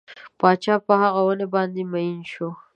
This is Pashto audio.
پاچا په هغه ونې باندې مین شو.